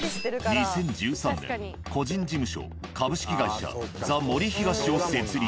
２０１３年個人事務所「株式会社ザ・森東」を設立。